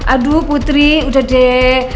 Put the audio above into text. aduh putri udah deh